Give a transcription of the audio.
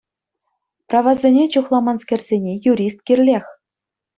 Правасене чухламанскерсене юрист кирлех.